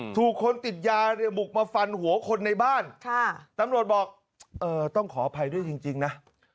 ถูกคนติดยาเนี่ยบุกมาฟันหัวคนในบ้านตำรวจบอกเออต้องขออภัยด้วยจริงนะ